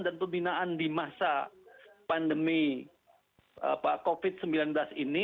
yang terbinaan di masa pandemi covid sembilan belas ini